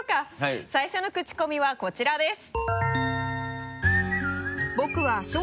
最初のクチコミはこちらです。